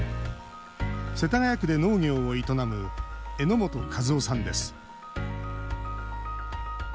世田谷区で農業を営む榎本一夫さんです。